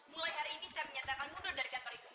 mulai hari ini saya menyatakan mundur dari kantor ibu